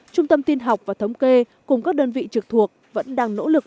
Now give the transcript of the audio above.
trung tâm tin học và thống kê cùng các đơn vị trực thuộc vẫn đang nỗ lực